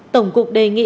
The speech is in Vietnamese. tổng cục đề nghị